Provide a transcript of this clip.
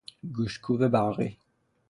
گوشتکوب برقی